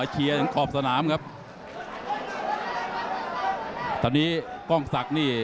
เจฟมอล์วิ้ตอนนี้ก้องสักนี่